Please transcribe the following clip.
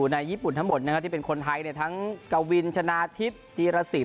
ในญี่ปุ่นทั้งหมดนะครับที่เป็นคนไทยทั้งกวินชนะทิพย์จีรสิน